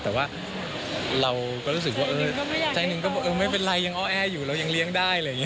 แต่ว่าเราก็รู้สึกว่าใจหนึ่งก็บอกเออไม่เป็นไรยังอ้อแออยู่เรายังเลี้ยงได้อะไรอย่างนี้